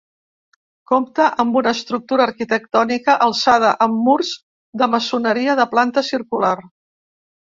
Compta amb una estructura arquitectònica alçada amb murs de maçoneria, de planta circular.